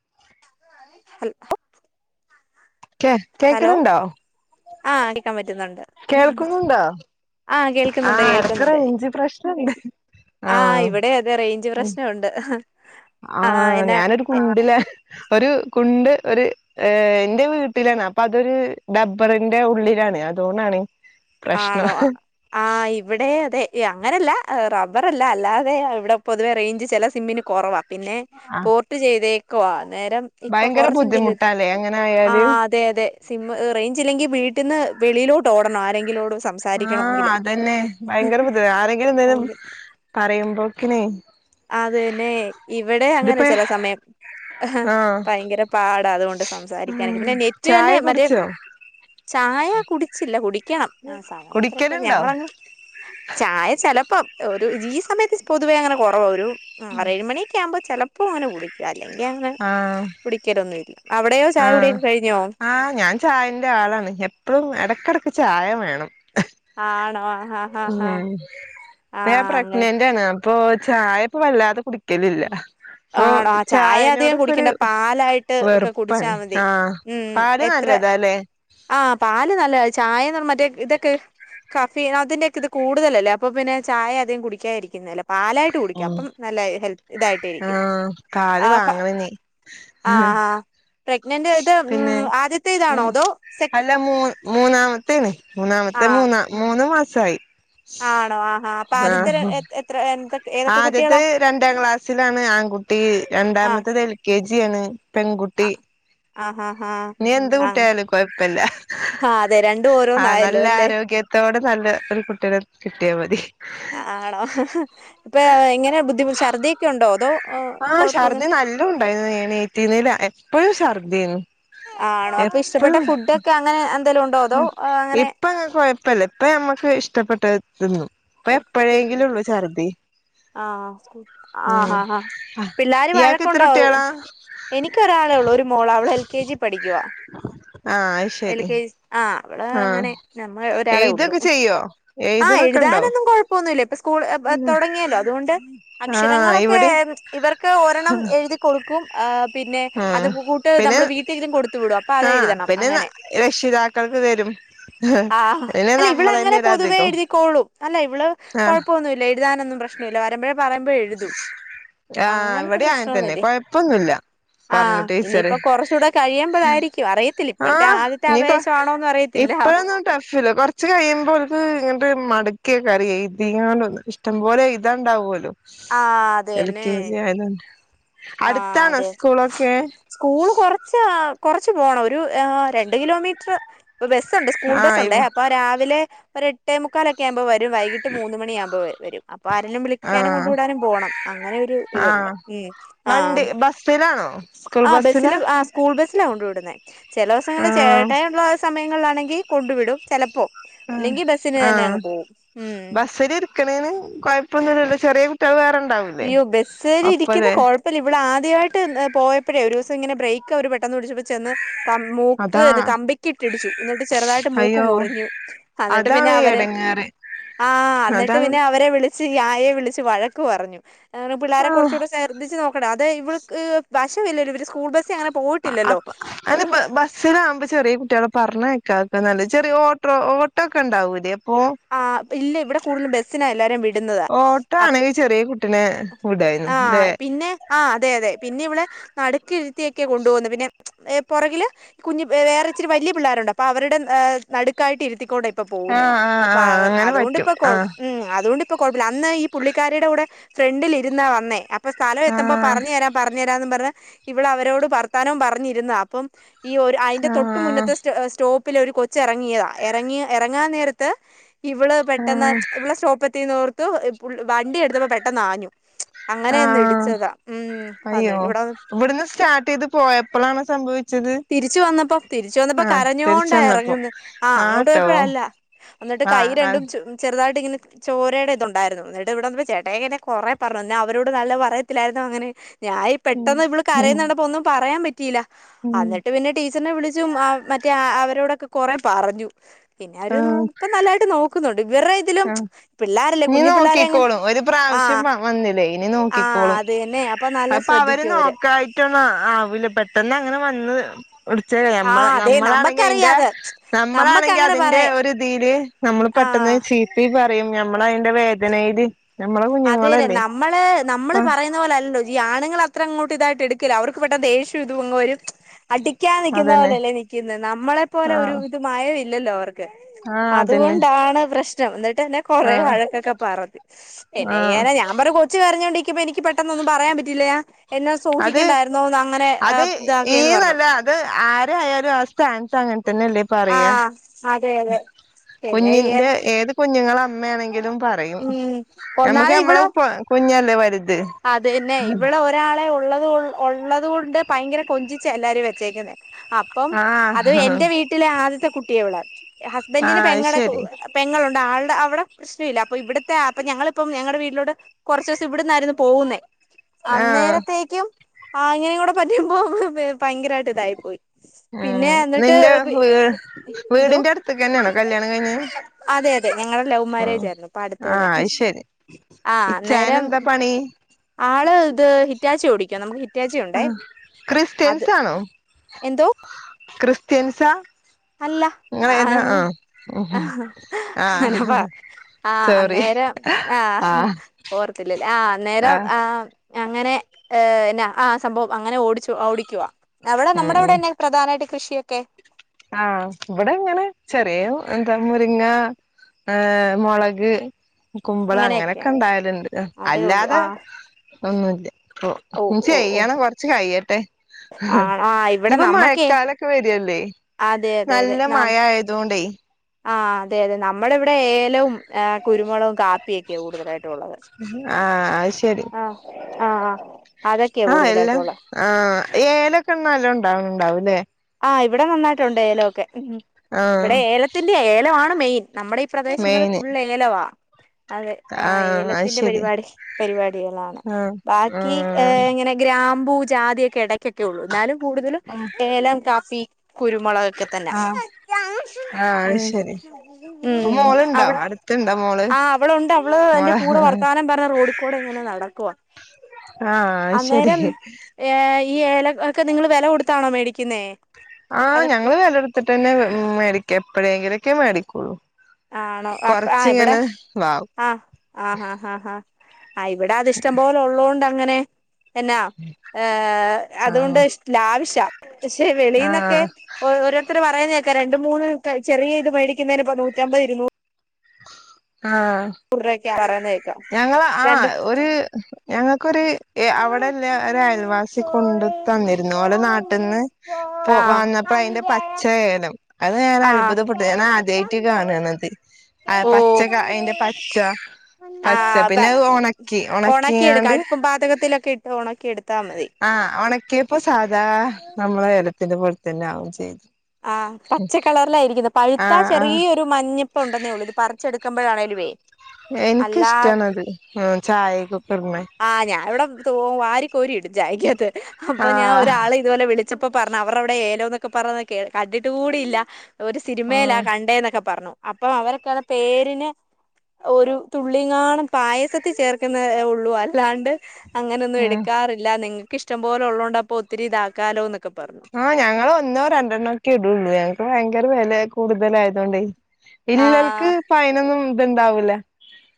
[inaudible] കേ ഹലോ കേക്കുന്നുണ്ടോ ആ കേക്കാൻ പറ്റ് റ്റുന്നുണ്ട് കേൾക്കുന്നുണ്ടോ ആഹ കേൾക്കുന്നുണ്ട് ആഹ് എടക്ക് കേൾക്കുന്നുണ്ട് റേഞ്ച് പ്രശ്നണ്ട് ആഹ് ഇവിടെ അതെ റേഞ്ച് പ്രശ്നവുണ്ട് ആ ഞാനൊരു കുണ്ടിലെ ഒരു കുണ്ട് ഒരു എന്റെ വീട്ടിലാണ് അപ്പം അതൊരു ഡബ്ബറിന്റെ ഉള്ളിലാണ് അതോണാണ് ആണോ ആഹ് ഇവിടെയും അതെ അങ്ങനെയല്ല റബ്ബറല്ല അല്ലാതെ ഇവിടെ പൊതുവെ റേഞ്ച് ചില സിമ്മിന് കൊറവാ പിന്നെ പോർട്ട് ചെയ്തേക്കുവാ അന്നേരം ഇപ്പം ഭയങ്കര കൊറച്ചെങ്കിലും ബുദ്ധിമുട്ടാല്ലേ അങ്ങനെ ആ ആയാല് അതെ അതെ സിം റേഞ്ചില്ലെങ്കി വീട്ടിന്ന് വെളിയിലോട്ട് ഓടണം ആരെങ്കിലോട് ആഹ് സംസാരിക്കണമെങ്കില് അതന്നെ ഭയങ്കര ബുദ്ധി ആരെങ്കിലും എന്തേലും ഭയങ്കര പറയുമ്പോക്കിനേ അത് തന്നെ ഇവിടെയും അങ്ങനെ ചെല സമയം ആഹ് ഭയങ്കര പാടാ അതുകൊണ്ട് സംസാരിക്കാനൊക്കെ ഉം പിന്നെ നെറ്റ് ചായ തന്നെ മറ്റേ കുടിച്ചോ ചായ കുടിച്ചില്ല കുടിക്കണം ആ സമയം എത്രൊക്കെ കുടിക്കലുണ്ടോ ഞങ്ങള ചായ ചിലപ്പം ഒരു ഈ സമയത്ത് പൊതുവേ അങ്ങനെ കൊറവ ഒരു ആറേഴ് മണിയൊക്കെ ആവുമ്പം ചെലപ് ഇപ്പ അങ്ങനെ കുടിക്കാഇല്ല ഇനി അങ്ങനെ ആഹ് കുടിക്കലൊന്നു ഇല്ല അവ ആഹ് ആഹ് ഞാൻ ചായേൻ്റെ ആളാണ് എപ്പളും എടക്കെടക്ക് ചായം വേണം ആണോ ആഹ് ആഹ് ആഹ് ആഹ് ഉം ഞാൻ ആഹ് അങ്ങനെ പ്രെഗ്നൻ്റാണ് ഇപ്പോ ചായ ഇപ്പം വല്ലാതെ കുടിക്കലില്ല അപ്പൊ ആണോ ചായ അധികം ചായേനോടൊക്കൊരു കുടിക്കണ്ട പാലായിട്ട് ഒക്കെ കുടിച്ചാ വെറുപ്പാണ് മതി ആഹ് ഉം പാല് എത്ര നല്ലതാ അല്ലേ ആഹ് പാല് നല്ലയാ ചായേന്ന് മറ്റേ ഇതൊക്കെ കഫി അതിന്റെക്കെ ഇത് കൂടുതലല്ലേ അപ്പം പിന്നെ ചായ അധികം കുടിക്കായിരിക്കുന്നല്ലേ പാലായിട്ട് കുടിക്ക് ആഹ് അപ്പം നല്ല ഹെൽത്ത് ഇതായിട്ടിരിക്കും ആഹ് പാല് ആ സ വാങ്ങണനി ആ ആ പ്രഗ്നന്റ് ഇത് പിന്നെ ഉം ആദ്യത്തെ ഇതാണോ ഉം അതോ സെ അല്ല മൂ മൂന്നാമത്തണ് ആ മൂന്നാമത്തെ മൂന്ന മൂന്ന് മാസായി ആണോ ആഹാ അപ്പം ആദ്യത്തെ ര ആഹ് എ എം എത്ര എന്ത ആദ്യത്തെ രണ്ടാം ക്ലാസ്സിലാണ് ആൺകുട്ടി ആ രണ്ടാമത്തത് എൽ കെ ജി ആണ് ആ പെൺകുട്ടി ആ ഹാ ഹാ നീ എന്ത് ആ കുട്ടിയായാലും കൊഴപ്പില്ല ആ അതെ രണ്ടും ആ ഓരോന്നായല്ലോ നല്ല അല്ലേ ആരോഗ്യത്തോടെ നല്ല ഒരു കുട്ടീനെ കിട്ടിയാ മതി ആണോ ഇപ്പേ എങ്ങനെ ബുദ്ധിമു ശർദ്ദിയൊക്കെ ഉണ്ടോ അതോ ആഹ് കൊഴപ്പൊന്നും ശർദി നല്ല ഉണ്ടായിരുന്നു [unintelligible] എപ്പഴും ശർദിയായ്ന്നു ആണോ അപ്പൊ ഇഷ്ടപ്പെട്ട എപ്പഴും ഫുഡൊക്കെ അങ്ങനെ എന്തെലും ഉണ്ടോ അതോ അങ്ങനെ ഇപ്പം അങ്ങന കൊഴ പ്പില ഇപ്പം നമ്മക്ക് ഇഷ്ടപ്പെട്ടത് തിന്നും ഇപ്പ [unintelligible] എപ്പോഴെങ്കിലും ഉള്ളു ഛർദി ആഹ് ആ ഉം ആഹ് പിള്ളാര് ഇയാൾക്ക് എത്ര വഴക്കുണ്ടോ കുട്ടികളാ എനിക്ക് ഒരാളൊള്ളൂ ഒരു മോളാ അവള് എൽ കെ ജി പഠിക്കുവാ ആ അത് എൽ ശരി കെ ജ് ആ അവള് ആ അങ്ങനെ നമ്മ ഒരാളെ ഉള്ളു എഴുതൊക്കെ ചെയ്യോ ആ എഴുതണൊക്കെ എഴ് ഉണ്ടോ ഞാനൊന്നും കുഴപ്പൊന്നുല്ല ഇപ്പ സ്കൂൾ ഏപ് തുടങ്ങിയല്ലോ അതുകൊണ്ട് ആ അക്ഷരങ്ങളൊക്കെ ഇവിടെ ഇവർക്ക് ഓരെണ്ണം എഴുതി കൊടുക്കും ആഹ് പിന്നെ ആ അത് കൂട്ട് നമ്മള് വീട്ടെങ്കിലും കൊടുത്തു വിടും അപ്പൊ അത് ആ എഴുതണം പിന്നെ അങ്ങനെ രക്ഷിതാക്കൾക്ക് തരും ആഹ് പിന്നെ അല്ല ഇവള നമ്മളന്നെ അങ്ങനെ ഇടാ പൊതുവേ അധികം എഴുതിക്കോളും അല്ല ഇവള് ആഹ് കുഴപ്പൊന്നുല്ല എഴുതാനൊന്നും പ്രശ്നില്ല വരുമ്പോഴേ പറയുമ്പയേ എഴുതും ആ അങ്ങനത്തെ ഇവിടെ ആങ്ങൻതന്നെ പ്രശ്നൊന്നുല്ല കൊഴപ്പൊന്നുല്ല പറഞ്ഞു ആഹ് ടീച്ചറ് ഇനിയിപ്പോ കുറച്ചൂടെ കഴിയുമ്പോഴായിരിക്കും അറിയത്തില്ല ഇപ്പോഴത്തെ ആദ്യത്തെ ആവേശാണോന്നും അറിയത്തില്ല ഇപ്പൊഴോന്നും ടഫില്ല കുറച്ച് കഴിയുമ്പോൽക്ക് ഇ [unintelligible] മടുക്കിയ കറിയ എഴ്തിങ്ങാണ്ടോന്ന് ഇഷ്ടം പോലെ എഴ്താണ്ടാവുല്ലോ ആ എൽ കെ ജി ആയത് തന്നെ ആ അതെ സ്കൂള് കൊറച്ച് കൊറച്ച് പോണം ഒരു ഏ രണ്ട് കിലോമീറ്റർ ഇപ്പ ബസ്സുണ്ട് സ്കൂൾ ആഹ് ബസ്സുണ്ടേ ഇവ് അപ്പൊ രാവിലെ ഒരു എട്ടേ മുക്കാലൊക്കേ ആവുമ്പോ വരും വൈകീട്ട് മൂന്ന് മണിയാവുമ്പോ വരും അപ്പൊ ആരേലും വിളിക്കാനും കൊണ്ട് ആഹ് വിടാനും പോകണം അങ്ങനെ ഒരു ഇതുണ്ട് ആഹ് ഉം വണ്ടി ആഹ് ബസ്സിലാണോ സ്കൂൾ ആ ബസ്സിലാ ബസ്സില് ആ സ്കൂൾ ബസ്സിലാ കൊണ്ട് വിടുന്നേ ചില ദിവസങ്ങൾള് ചേ ആഹ് ട്ടയുള്ള സമയങ്ങളിലാണെങ്കിൽ കൊണ്ടു വിടും ചെലപ്പോ ആഹ് ഇല്ലെങ്കി ബസ്സിന് ആ തന്നെ അങ്ങ് പോവും ഉം ബസില് ഇരിക്കണേന് കൊഴപ്പൊന്നുല്ലല്ലോ ചെറിയ കുട്ടികള് വേറെ ഇണ്ടാവൂലേ യ്യോ ബസ്സേല് ഇരിക്കുന്ന ഒപ്പല്ലേ കൊഴപ്പില്ല ഇവള് ആദ്യായിട്ട് പോയപ്പഴേ ഒരു ഇങ്ങനെ ബ്രേക്ക്‌ അവര് പെട്ടന്ന് പിടിച്ചപ്പെ ചെന്ന് മൂക്ക് അതാ ന്ന് കമ്പിക്ക് ഇട്ടിടിച്ചു എന്നിട്ട് ചെറുതായിട്ട് മൂക്ക് മുറിഞ്ഞു എന്നിട്ട് പി പ്പേ എടങ്ങാറ് ആഹ് അന്നെട്ട് പിന്നെ അവരെ വിളി ച്ചി ആയെ വിളിച്ച് വഴക്ക് പറഞ്ഞു അങ്ങനെ പിള്ളേരെ ആഹ് കുറച്ചുകൂടെ ശ്രദ്ധിച്ച് നോ ടാ അതെ ഇവിൾക്ക് വശവില്ല ഇവര് സ്കൂൾ ബസ് അ അപ്പ് അത്പ്പ്‌ ബസ്സിലാമ്പോ ചെറിയ കുട്ടികളെ പറഞ്ഞ [unintelligible] നല്ല ചെറിയ ഓട്ടോ ഓട്ടോ ഒക്കെണ്ടാവൂലേ ആ ഇല്ല ഇവിടെ കൂടുതല ബസ്സിനാ എല്ലാരും വി ടുന്നതാ ഓട്ടോ അപ്പ് ആണെങ്കിൽ ചെറിയ കുട്ടിനെ വിടായിരുന്നു ആ ല്ലേ പിന്നെ ആ അതെതെ പിന്നെ ഇവളെ നടുക്കിരുത്തിയൊക്കെ കൊണ്ടു പോകുന്നേ പിന്നെ പുറകില് കുഞ്ഞ് പി വേറെ ഇച്ചിരി വലിയ പിള്ളേരുണ്ട് അപ്പൊ അവരുടെ ഹ് നടുക്കായിട്ട് ഇരുത്തിക്കൊണ്ട ഇപ്പ പോകുന്നേ ആഹ് ആഹ് അപ്പ ആഹ് അങ്ങനെ പറ്റും അതുകൊണ്ട്പ്പ കൊഴ ആഹ് ഉം അത് അതോണ്ടിപ്പോ കൊഴപ്പില്ല അന്ന് ഈ പുള്ളിക്കാരിടെ കൂടെ ഫ്രണ്ടിൽ ഇരുന്നാ വന്നേ ഇപ്പൊ സ്ഥലം എത്തുമ്പോ ആഹ് പറഞ്ഞ് തരാം പറഞ്ഞ് തരാംന്ന് പറഞ്ഞ് ഇവള് അവരോട് വർത്താനോം പറഞ്ഞിരുന്ന് അപ്പം ഈ ഒരു അതിന്റെ തൊട്ട് ആഹ് മുന്നത്തെ സ്റ്റ സ്റ്റോപ്പിൽ ഒരു കൊച്ച് എറങ്ങിയതാ എറങ്ങി എറങ്ങാൻ നേരത്ത് ഇവള് പെട്ടെന്ന് ആഹ് ഇവളെ സ്റ്റോപ്പെത്തിന്ന് ഓർത്തു വണ്ടി എടുത്തപ്പോൾ പെട്ടന്നാഞ്ഞു ഉ [inaudible] ആഹ് അയ്യോ എന്നിട്ട് ഇവിടെ ഇവിടുന്ന് സ്റ്റാർട്ട് ചെയ്ത് പോയപ്പോളാണോ സംഭവിച്ചത് തിരിച്ചു വന്നപ്പോ തിരിച്ചു വന്നപ്പോ ആഹ് തിരിച്ച് കരഞ്ഞോണ്ടാ വന്നപ്പോ ഇറങ്ങന്ന് ആ അങ്ങോട്ട് ആട്ടോ പോയപ്പോഴല്ല എന്നിട്ട് കൈ ആഹ് ആഹ് രണ്ടും ചെ ചെറുതായിട്ട് ട്ടി ഇങ്ങനെ ചോരയുടെ ഇതുണ്ടായിരുന്നു എന്നിട്ട് ഇവിടെ വന്നപ്പോ ചേട്ടായെന്നെ കൊറെ പറഞ്ഞു അവരോട് നല്ല പറയത്തില്ലായിരുന്നോ അങ്ങനെ ഞൻ ഈ പെട്ടെന്ന് ഇവള് കരയ്ന്നണ്ടപ്പോ ഒന്നും പറയാൻ പറ്റിയില്ല ഉം എന്നിട്ട് പിന്നെ ടീ അച്ഛനെ വിളിച്ചും മറ്റേ അവരോടൊക്കെ കൊറേ പറഞ്ഞു പിന്നെ അവരുന്നു ആഹ് ഇപ്പൊ നല്ലതായിട്ട് നോക്കുന്നുണ്ട് ഇവരുടെ ഇതിലും ആഹ് പിള്ളേരല്ലേ ഇനി കുഞ്ഞു പിള്ളേരെ അങ്ങനെ നോക്കിക്കോളും ഒരു പ്രാവശ്യം ആഹ് വന്നില്ലേ ഇനി ആഹ് നോക്കിക്കോളും അത് തന്നെ നല്ല അപ്പൊ അവര് ശ്രദ്ധിക്കും നോക്കായിട്ടന്ന ആവൂല്ല പെട്ടെന്ന് അങ്ങനെ വന്ന് വിടിച്ചമ്മ ആഹ് അതെ നമ്മളാണെങ്കിൽ നമ്മക്കറിയാം അതിന്റെ അത് നമ്മക്ക് നമ്മളാണെങ്കില്, അങ്ങനെ അതിന്റെ പറയാ ഒരു രീതിയില് നമ്മൾ പെട്ട് പെട്ടെന്ന് ആഹ് ചീപ്പീ പറയും നമ്മളതിന്റെ വേദനയില് നമ്മളെ അതെല്ലെ കുഞ്ഞുങ്ങളല്ലേ നമ്മള്, നമ്മള് ആഹ് പറയുന്ന പോലല്ലോ ഈ ആണുങ്ങ നി അത്ര ഇങ്ങോട്ട് ഇതായിട്ട് എടുക്കില്ല. അവർക്ക് പെട്ടന്ന് ദേഷ്യമിതങ്ങു വരും അടിക്കാൻ നിക്കുന്ന അതന്നെ പോലല്ലേ നിക്കുന്നത്. നമ്മളെ പോലെ ഒരു ആഹ് ഇത് മയമില്ലല്ലോ അവർക്ക് ആഹ് അതന്നെ അതുകൊണ്ടാണ് പ്രശ്നം. എന്നിട്ടെന്നെ കൊറെ ആഹ് വഴക്കൊക്കെ പറഞ്ഞ് ആഹ് എന്നചെയ്യാനാ ഞൻ പറ കൊച്ചു കരഞ്ഞുകോണ്ടിരിക്കുമ്പോ എനിക്ക് പെട്ടെന്നൊന്നും പറയാൻ പറ്റില്ലാ. അത് അത് ഇതാക്കിയെന്ന് പറഞ്ഞു ഈന്നല്ല അത് ആരായാലും ആസ്ഥാനത്ത് പെട്ടെന്ന് എന്തെപറയുക ആഹ് അതെ അതെ ശരിയാ കുഞ്ഞിൻ്റെ ഏതു കൊച്ച് കുഞ്ഞുങ്ങൾ അമ്മയാണെങ്കിലും പറയും. ഉം നമുക്ക് നമ്മടെ കുഞ്ഞല്ലേ വലുത്. അത് തന്നെ ഇവിടെ ഒരാളെ ഉള്ളു. ഉള്ളത് ഉള്ളതു കൊണ്ട് ഭയങ്കര കൊഞ്ചിച്ചാ എല്ലാവരും വെച്ചേക്കുന്നേ. അപ്പം അത് ആഹ് എന്റെ വീട്ടിലെ ആദ്യത്തെ കുട്ടിയെ ഉള്ളുഹസ്ബൻറിന് ആഹ് പെങ്ങടെ ശരി ങ്ങളുണ്ട് ആളുടെ അവിടെ പ്രശ്നമില്ല. അപ്പൊ ഇവിടുത്തെ അപ്പൊ, ഞങ്ങളിപ്പം ഞങ്ങളുടെ വീട്ടിലോട്ട് കുറച്ച് ദിവസം ഇവിടന്നായിരുന്നു പോകുന്നേ. ആഹ് അന്നേരത്തേക്കും ആ അങ്ങനെകൂടെ പറ്റുമ്പോ, ഭയങ്കരമായിട്ട് ഇതായിപ്പോയി. പിന്നെ ഉം എന്നിട്ട് നിന്റെ വീ എന്തോ വീടിന്റെ അടുത്ത്ക്ക് തന്നെയാണോ കല്യാണം കഴിഞ്ഞെ അടുത്ത് അതെ അതെ ഞങ്ങളുടെ ആഹ് ലവ്മാരേജാ യിരുന്നു. ഇപ്പൊ അടുത്ത് തന്നെ. ആഹ് അത് ശരി ആഹ് ഇച്ചായന് അന്നേരം എന്താ പണി അല്ലിത് ഹിറ്റാച്ചി ഓടിക്കുവാ നമുക്ക് ഹി ആ ക്രിസ്ത്യൻസാണോ? എന്തോ ക്രിസ്ത്യൻസാ അല്ല ആ നിങ്ങളേതാ ആ ആഹ് അഹ് ആഹ് ആ സോറി അന്നേരം അനേരം ആഹ് ഓർത്തില്ലല്ലേ ആഹ് അന്നേരം ആഹ് അങ്ങനെ ഏന്നാ ആ സംഭവം അങ്ങനെ ഓടിച്ചു ഓടിക്കുവാ അവിടെ ഉം നമ്മുടെ ഉം അവിടെ തന്നെ പ്രധാനമായിട്ട് കൃഷിയൊക്കെ ആഹ് ഇവിടെങ്ങനെ ചെറിയ ഇതങ്ങ് പിന്നെ ആ മുളക് കുമ്പളം അങ്ങനെയൊക്കെയാ അങ്ങനെയൊക്കെ ഇണ്ടാകലുണ്ട്. അതേ ഉള്ളൂ അല്ലാതെ ആഹ് ഒന്നുമില്ല ഓ ഇന്ന് ഓ ഓ ചെയ്യണം കൊറച്ചു കഴിയട്ടെ. ഹ് ആഹ് ആഹ് ഇവിടെ ഇപ്പൊ നമ്മക്കേ മഴക്കാലൊക്കെ വരുകയല്ലേ? അതെ നല്ല മഴയായതു കൊണ്ടേ ആ അതെ അതെ നമ്മളിവിടെ ഏലവും ആഹ് കുരുമുളകും കാ കുപ്പിയൊക്കെയാ കൂടുതലായിട്ടുള്ളത് ആഹ് അത് ശരി ആ ആ ആ ആഹ് എല്ലാം ആ ഏലക്കെണ്ണല്ലാം ഉണ്ടാവും ഉണ്ടാവൂല്ലേ? ആ ഇവിടെ നന്നായിട്ടുണ്ട് ഏലമൊക്കെ, ഉം ആഹ് ഇവിടെ ഏലത്തിന്റെ, ഏലമാണ് മെയിൻ നമ്മുടെ ഈ പ്രദേശങ്ങൾ മെയിന് ഫുള്ള് ഏലവാ അതെ ആ ആഹ് അത് ഏലത്തിന്റെ ശരി പരിപാടി, പരിപാടികളാണ് ആഹ് ബാക്കി ആഹ് ഇങ്ങനെ ഗ്രാമ ഗ്രാമ്പൂ ജാതിയൊക്കെ ഇടയ്ക്കൊക്കെ ഉള്ളൂ. എന്നാലും കൂടുതലും ഏലം കാപ്പി കുരുമുളകൊക്കെത്തന്നാ ആഹ് ആഹ് ശരി ഇപ്പൊ ഉം മോളുണ്ടോ അവൾ അടുത്തുണ്ടോ മോള് ആ അവളുണ്ട്. അവള് എന്റെ കൂടെ മോളെ വർത്തമാനം പറഞ്ഞ് റോഡിക്കൂടെ നടക്കുവാ ആഹ് ശരി അന്നേരം ഏയ് ഈ ഏലം ഒക്കെ നിങ്ങൾ വെല കൊടുത്താണോ മേടിക്കുന്നേ? ആഹ് അതൊക്കെ ഞങ്ങള് വെല എട്ത്തിട്ടന്നെ വെ മേടിക്ക എപ്പഴേങ്കിലൊക്കെ മേടിക്കൊള്ളൂ. ആണോ? അർപ്പ ആഹ് ഇവിടെ വാവും ആഹ് ആഹ് ഹാ ഹാ ഹാ ആഹ് ഇവിടെ അത് ഇഷ്ടം പോലെ ഉള്ളോണ്ടങ്ങനെ എന്നാ ഏഹ് അതുകൊണ്ട് ആഹ് ഇഷ് ലാവിഷാ പക്ഷെ വെളീന്നക്കെ ആഹ് ഓ ഓരോരുത്തർ പറയുന്ന കേക്കാ രണ്ട് മൂന്ന് ക ചെറിയ ഇത് മേടിക്കുന്നയ്ന്പ്പൊ നൂ റ്റമ്പത് ഇരുന്നൂ ആഹ് ക്ക്യാ പറയുന്നത്. ഞങ്ങള ആഹ് ഒര് ഞങ്ങ ക്കൊര് യെ അവടെല്ല ഒര് അയൽവാസി കൊണ്ട് തന്നിര്ന്നു അവള് നാട്ടിന്ന് പോ ആ വന്നപ്പോ അയിന്റെ പച്ചയേലം അത് ഞാൻ ആ അത്ഭുതപ്പെട്ട് ഞാൻ ആദ്യായിട്ട് കാണ് ണത്. ആഹ് ഓ പച്ചക്കാ അയിൻ്റെ പച്ചാ പച്ചാ ആ പിന്നെത് ഒണക്കി ഉണക്കി എടുക്കാം ഒണക്കിങ്ങാണ്ട് അടുപ്പും പാതകത്തിലൊക്കെ ഇട്ട് ഉണക്കി എടുത്താൽ മതി ആഹ് ഒണക്കിയപ്പൊ സാദാ നമ്മളെ ഏലത്തിൻ്റെ പോൽതന്നെ ആവും ചെയ്ത്. ആഹ് പച്ചാ കളറിലായിരിക്ക്ന്നേ പഴുത്താ ആഹ് ആഹ് ചെറിയൊര് മഞ്ഞപ്പ് ഒണ്ടെന്നേ ഒള്ളൂ ഇത് പറിച്ചെട് ക്ക്മ്പഴാണേലുവേ അല്ലാ എനിക്കിഷ്ടാണത് ഉം ചായക്കൊക്കെ ഇട്ണെ ആഹ് ഞാ ഇവടെ തോ വാരി കോരിയിടും ചായക്കകത്ത് അപ്പം ഞാൻ ആഹ് ഒരാള് ഇത് പോലെ വിളിച്ചപ്പോ പറഞ്ഞ് അവരവടെ ഏലോന്നോക്കെ പരന്നത് കെ കണ്ടിട്ട് കൂടിയില്ല ഒര് സിനിമെലാ ആഹ് കണ്ടേ എന്നൊക്കെ പറഞ്ഞു അപ്പം അവരാക്കാവടെ പേരിന് ഒര് തുള്ളിങ്ങാണം പായസത്തി ചേർക്കുന്നേ ഒള്ളൂ അല്ലാണ്ട് അങ്ങനെയൊന്നും ഉം എട്ക്കാറില്ല നിങ്ങക്ക് ഇഷ്ടം പോലെ ഉളോണ്ട് അപ്പം ഒത്തിരി ഇതാക്കാലോ എന്ന് ആ ഞങ്ങള് ഒന്നോ രണ്ടെണ്ണൊയെക്കെ ഇടെള്ളൂ ഞങ്ങക്ക് ഭയങ്കര വെലേ കൂടുതല് ആയതൊണ്ടോ ആ നിങ്ങൾക്ക് ഇത് ഒണ്ടാവൂല്ല്യാ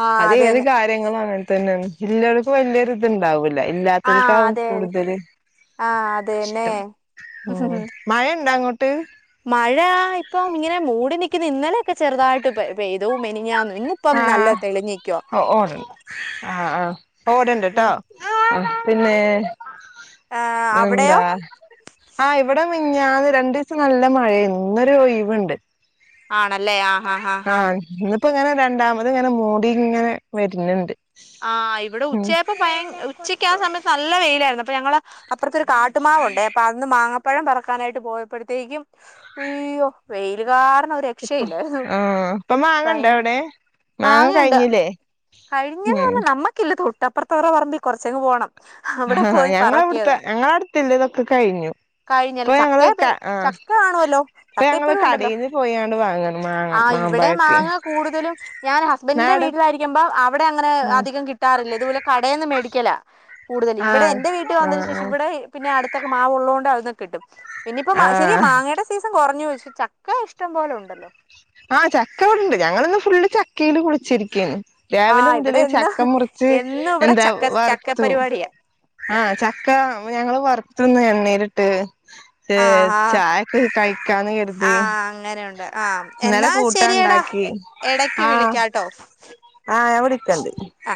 ആഹ് അത് ഏത് അതന്നെ കാര്യങ്ങാള് തന്നെ ജില്ലാൾക്ക് വല്ല്യായൊര് ഇതൊണ്ടവ് ഇല്ലാ ആഹ് ഇല്ലാത്തവർക്ക് ആയിരിക്കും അതെ അതെ കൂടുതല് ആഹ് അതന്നെ ഇഷ്ട്ടം ഉ ഓ മഴ ഇണ്ടോ അങ്ങോട്ട് മഴയാ ഇപ്പം ഇങ്ങനെ മൂടി നിക്കുന്ന ഇന്നലെക്കെ ചെറുതായിട്ട് പെയ് പെയ്ത മെനാഞ്ഞന്ന് ഇന്ന് ഇപ്പം നല്ല തെളിഞ്ഞ് ആആ ഉം പോരണ്ടട്ടോ പിന്നെ പിന്നെ ഏഹ് അവിടെയോ എന്താ ആ ഇവിടെ ഞാന്ന് രണ്ടു ദിസം നല്ലാ മഴയാന്ന് ഇന്നൊര് ഒഴവ് ഉണ്ട് ആണല്ലേ ആ ആ എന്നിട്ട് അങ്ങനെ രണ്ടാമത് ഇങ്ങനെ മൂടി വരുന്നുണ്ട് ആ ഇവടെ ഉം ഉച്ചയാപ്പോ ഭയ ഉച്ചക്ക് ആ സമയത്ത് നല്ല വെയിലാര്ന്ന് അപ്പം ഞങ്ങള് അപ്പോറത്ത് ഒര് കാട്ട് മാവോണ്ട് അപ്പം അന്ന് മാങ്ങപ്പഴം പറക്കാനായിട്ട് പോയപ്പോഴത്തേക്കും അയ്യോ വേയ്ല്കാര ഇന്ന് ഒരു ഇപ്പൊ രക്ഷയില്ല ആഹ് ഇപ്പൊ കഴി മാങ്ങണ്ടോ അവിടെ മാങ്ങ മാങ്ങയോണ്ട് കഴിഞ്ഞില്ലേ ഉം കഴിഞനമ്മക്കില്ല തൊട്ട് അപ്പുറത്തെ പറമ്പുകാരുടെ കുറച്ച് അങ് പോകണം ആാ ഞങ്ങള് ഇവട്ത്തെ ഞങ്ങളെ അടുത്തല്ലോ ഇതൊക്കെ കഴിഞ്ഞു ഇപ്പൊ കഴിഞ്ഞല്ല ഞങ്ങള് ചക്ക ക ആാ ചക്ക കാണുവല്ലോ ഇപ്പൊ ചക്ക ഞങ്ങള് ഇപ്പഴും കടെന്ന് പോയാണ്ട് വാങ്ങണ് മാങ്ങ ഇവടെ മാമ്പഴൊക്കെ മാങ്ങ കൂടുതലും ഞാൻ ഹസ്ബെൻഡിന്റെ ആടെ വീട്ടിലായിരിക്ക മ്പോ അവടെ അങ്ങനെ ആഹ് അധികം കിട്ടാറില്ലാ ഇത് പോലെ കടെയന്ന് മേടിക്ക്യലാ കൂടുതല് ഇവിടെ ആഹ് എന്റെ വീട്ടി വന്നേന് ശേഷം ആഹ് ഇവിടെ പിന്നെ അടുത്തൊക്കെ മാവ് ഒള്ളോകൊണ്ട് അത്ക്കെ കിട്ടും പിന്നെ ഇപ്പം മ ശെരിയാ ആഹ് മാങ്ങടെ സീസൺ കൊറഞ്ഞു പക്ഷെ ചക്ക ഇഷ്ടം പോലെ ഒണ്ടല്ലോ ആ ചക്ക ഇവടെയിണ്ട് ഞങ്ങളിന്ന് ഫുള്ള് ചക്കയില് കുളിച്ചിരിക്കാണ് ആ രാവിലെ ഇവിടെ മുതല് എന്നും ചക്ക മുറിച്ച് എന്നും ഇവിടെ എന്താ ചക്ക ചക്ക വറത്തു പരിപാടിയാ ആ ചക്ക ഞങ്ങള് വറുത്തു ഇന്ന് എണ്ണേലിട്ട് ഇത്‌ ആ ആ ചായക്ക്‌ കഴിക്കാന്ന് കര്തി ആ അങ്ങനെയുണ്ട് ആ ഇന്നലെ എന്നാ കൂട്ടാ ശരിയെടാ ഇണ്ടാക്കി എടയ്ക്ക് ആ വിളിക്കാട്ടോ ആ ഞാൻ വിളിക്കോണ്ട് ആ